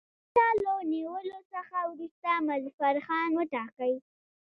تیمورشاه له نیولو څخه وروسته مظفرخان وټاکی.